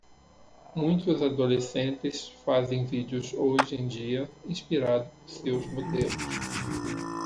Muitos adolescentes fazem vídeos hoje em dia inspirados por seus modelos.